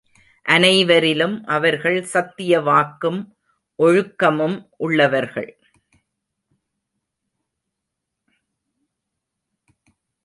அனைவரிலும் அவர்கள் சத்திய வாக்கும், ஒழுக்கமும் உள்ளவர்கள்.